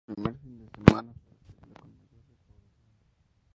En su primer fin de semana fue la película con mayor recaudación.